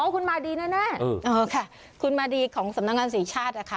คุณมาดีแน่คุณมาดีของสำนักงานศรีชาตินะคะ